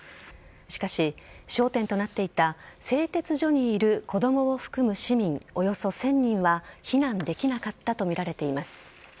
しかし、焦点となっていた製鉄所にいる子供を含む市民およそ１０００人は避難できなかったとみられています。